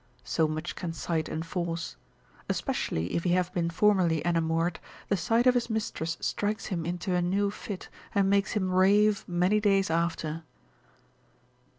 So much can sight enforce. Especially if he have been formerly enamoured, the sight of his mistress strikes him into a new fit, and makes him rave many days after.